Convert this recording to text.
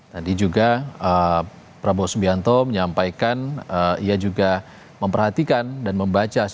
tadi juga prabowo subianto menyampaikan ia juga memperhatikan dan membaca